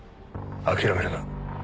諦めるな。